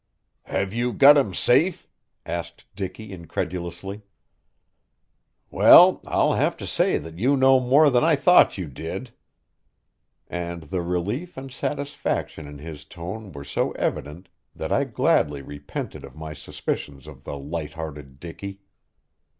"Have you got him safe?" asked Dicky incredulously. "Well, I'll have to say that you know more than I thought you did." And the relief and satisfaction in his tone were so evident that I gladly repented of my suspicions of the light hearted Dicky.